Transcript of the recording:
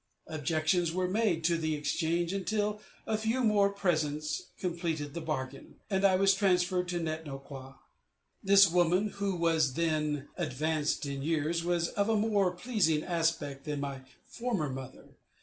Objections were made to the exchange until a few more presents completed the bargain, and I was transferred to Net no kwa. This woman, who was then advanced in years, was of a more pleasing aspect than my former mother.